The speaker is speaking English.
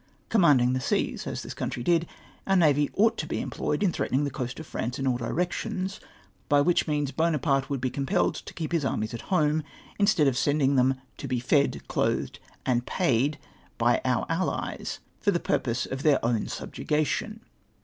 Commanding the seas, as this country did, our navy ought to be employed in threatening the coast of France in all directions, by which means Buonaparte would be compelled to keep his armies at home, instead of sending them to he fed, clothed, and paid by our allies! for the purpose of their own subjugation.